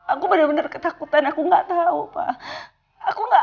aku benar benar ketakutan aku nggak tahu pak